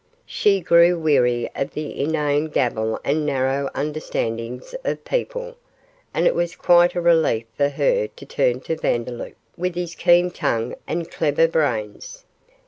She grew weary of the inane gabble and narrow understandings of people, and it was quite a relief for her to turn to Vandeloup, with his keen tongue and clever brains.